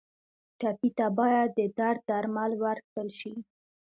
ټپي ته باید د درد درمل ورکړل شي.